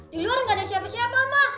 di luar nggak ada siapa siapa mah